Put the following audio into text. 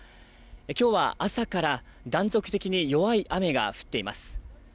今日は朝から断続的に弱い雨が降っています。